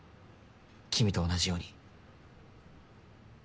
君と同じように。